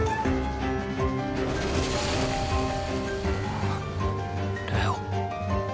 あっ玲王。